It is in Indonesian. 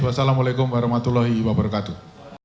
wassalamu'alaikum warahmatullahi wabarakatuh